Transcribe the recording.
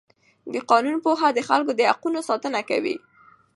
د قانون پوهه د خلکو د حقونو ساتنه کوي.